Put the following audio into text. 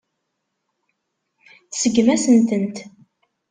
Tseggem-asent-tent.